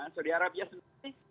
saudi arabia sendiri